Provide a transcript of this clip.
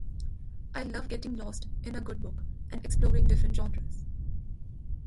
I love getting lost in a good book and exploring different genres.